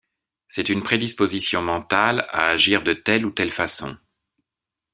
C'est une prédisposition mentale à agir de telle ou telle façon.